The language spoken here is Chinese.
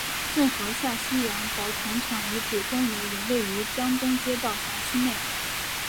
郑和下西洋宝船厂遗址公园也位于江东街道辖区内。